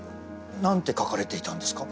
何て書かれていたんですか？